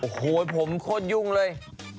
โอ้โหผมโคตรยุ่งเลย